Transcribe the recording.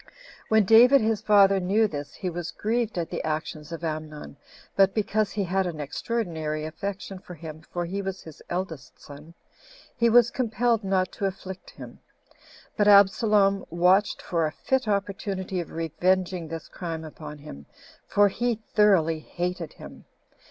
2. When David his father knew this, he was grieved at the actions of Amnon; but because he had an extraordinary affection for him, for he was his eldest son, he was compelled not to afflict him; but Absalom watched for a fit opportunity of revenging this crime upon him, for he thoroughly hated him.